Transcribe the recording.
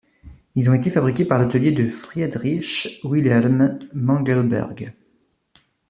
Ils ont été fabriqués par l'atelier de Friedrich Wilhelm Mengelberg.